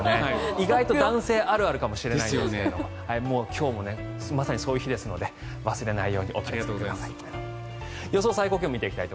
意外と男性あるあるかもしれませんが今日もそういう日ですので忘れないようにお気をつけください。